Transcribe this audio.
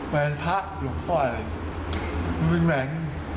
แหวนพระหลวงพ่อเลยมันเป็นแหวน